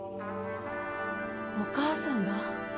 お義母さんが？